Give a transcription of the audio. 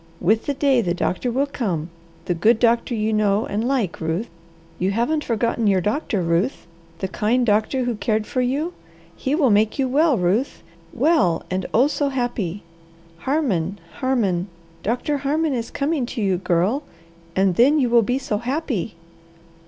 With the day the doctor will come, the good doctor you know and like, Ruth. You haven't forgotten your doctor, Ruth? The kind doctor who cared for you. He will make you well, Ruth; well and oh, so happy! Harmon, Harmon, Doctor Harmon is coming to you, Girl, and then you will be so happy!"